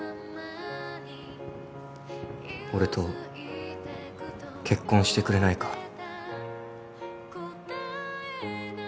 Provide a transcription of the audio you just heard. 俺と結婚してくれないか？